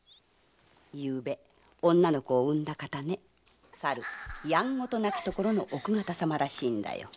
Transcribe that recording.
昨夜女の子を産んだ方ねさるやんごとなき所の奥方様らしいんだよ。